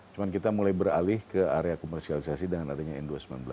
cuma kita mulai beralih ke area komersialisasi dengan adanya n dua ratus sembilan belas